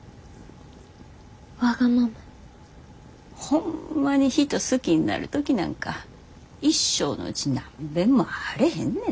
ホンマに人好きになる時なんか一生のうち何べんもあれへんねんで。